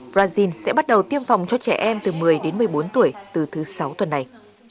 brazil sẽ bắt đầu tiêm phòng cho trẻ em từ một mươi đến một mươi bốn tuổi từ thứ sáu tuần này